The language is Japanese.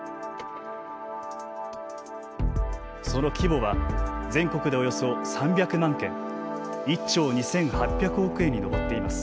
その規模は全国でおよそ３００万件１兆２８００億円に上っています。